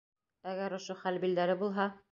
Әгәр ошо хәл билдәле булһа...